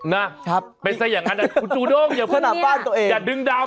นะเป็นใส่อย่างนั้นนะคุณจูโด้งอย่าดึงดราม่าบ้านตัวเองดี